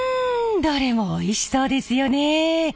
どれもおいしそうですよね。